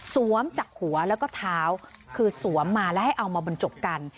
จากหัวแล้วก็เท้าคือสวมมาแล้วให้เอามาบรรจบกัน